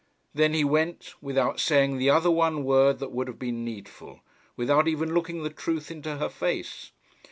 Then he went, without saying the other one word that would have been needful, without even looking the truth into her face.